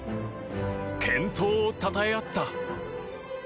健闘をたたえ合った。